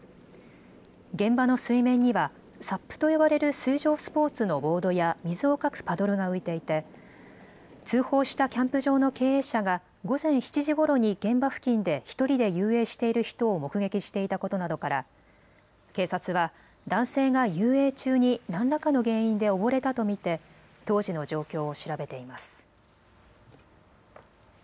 現場の水面にはサップと呼ばれる水上スポーツのボードや水をかくパドルが浮いていて通報したキャンプ場の経営者が午前７時ごろに現場付近で１人で遊泳している人を目撃していたことなどから警察は男性が遊泳中に何らかの原因で溺れたと見て当時の状況を調べています。